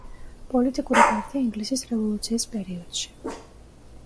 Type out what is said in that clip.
პოლიტიკური პარტია ინგლისის რევოლუციის პერიოდში.